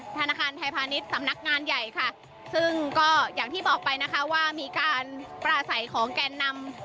ธนาคารไทยพาณิชย์สำนักงานใหญ่ค่ะซึ่งก็อย่างที่บอกไปนะคะว่ามีการปราศัยของแกนนำ